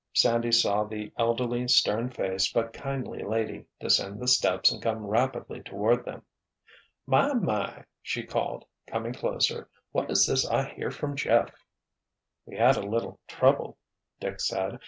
Sandy saw the elderly, stern faced, but kindly lady descend the steps and come rapidly toward them. "My! My!" she called, coming closer. "What is this I hear from Jeff?" "We had a little trouble," Dick said.